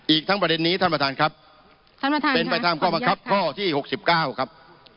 อีกทั้งประเด็นนี้ท่านประธานครับท่านประธานเป็นไปตามข้อบังคับข้อที่๖๙ครับ